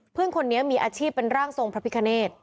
เพื่อนคนนี้มีอาชีพเป็นร่างทรงพระพิคเนต